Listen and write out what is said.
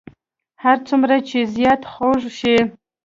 هر څومره چې زیات خوږ شي.